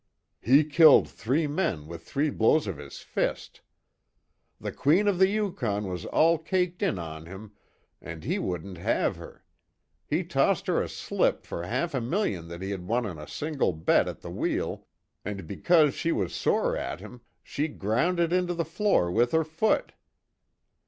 "He killed three men with three blows of his fist." "The Queen of the Yukon was all caked in on him, and he wouldn't have her. He tossed her a slip for half a million that he had won on a single bet at the wheel, and because she was sore at him, she ground it into the floor with her foot."